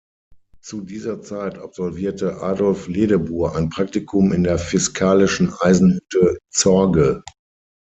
Zu dieser Zeit absolvierte Adolf Ledebur ein Praktikum in der fiskalischen Eisenhütte Zorge.